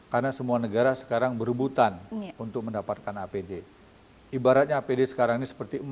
karena semua negara sekarang berebutan